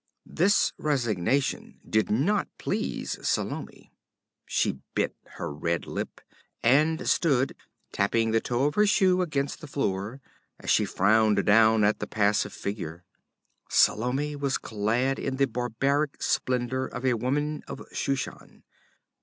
This resignation did not please Salome. She bit her red lip, and stood tapping the toe of her shoe against the floor as she frowned down at the passive figure. Salome was clad in the barbaric splendor of a woman of Shushan.